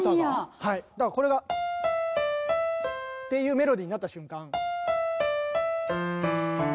だからこれが。っていうメロディになった瞬間。